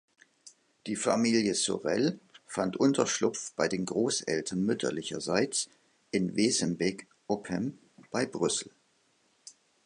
Die Familie Sorel fand Unterschlupf bei den Großeltern mütterlicherseits in Wezembeek-Oppem bei Brüssel.